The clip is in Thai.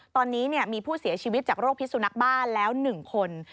ตอนนี้มีผู้เสียชีวิตจากโรคพิสุนักบ้าแล้ว๑คน